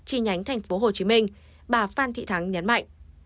chi nhánh tp hcm bà phan thị thắng nhấn mạnh